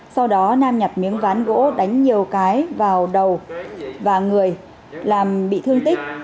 sau đó nam nhặt miếng ván gỗ đánh nhiều cái vào đầu và người làm bị thương tích